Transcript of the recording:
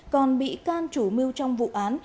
còn bị can chủ mưu trong vụ án